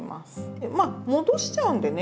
まあ戻しちゃうんでね